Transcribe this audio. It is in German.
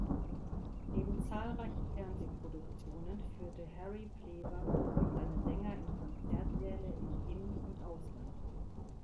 Neben zahlreichen Fernsehproduktionen führte Harry Pleva seine Sänger in Konzertsäle im In- und Ausland.